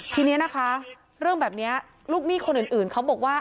ทีนี้นะคะเรื่องแบบนี้ลูกหนี้คนอื่นเขาบอกว่า